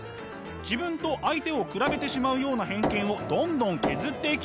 自分と相手を比べてしまうような偏見をどんどん削っていきます。